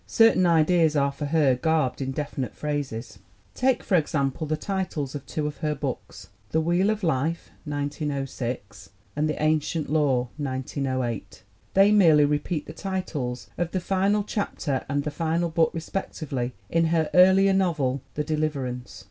Certain ideas are for her garbed in definite phrases. Take, for example, 30 THE WOMEN WHO MAKE OUR NOVELS the titles of two of her books, The Wheel of Life (1906) and The Ancient Law (1908). They merely repeat the titles of the final chapter and the final book, respectively, in her earlier novel, The Deliverance.